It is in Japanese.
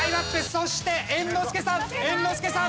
そして猿之助さん猿之助さん。